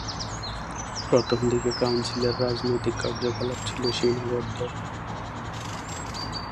প্রথম দিকে কাউন্সিলের রাজনৈতিক কার্যকলাপ ছিল সীমাবদ্ধ।